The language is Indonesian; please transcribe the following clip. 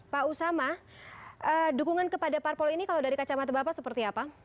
pak usama dukungan kepada parpol ini kalau dari kacamata bapak seperti apa